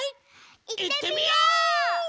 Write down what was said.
いってみよう！